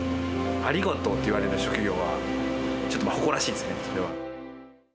ありがとうって言われる職業は、ちょっと誇らしいですね、それは。